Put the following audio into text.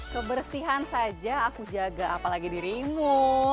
kebersihan saja aku jaga apalagi dirimu